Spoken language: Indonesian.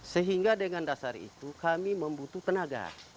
sehingga dengan dasar itu kami membutuhkan tenaga